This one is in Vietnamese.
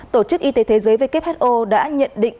tổ chức y tế thế giới who đã nhận định